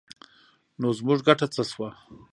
نو زموږ ګټه څه شوه؟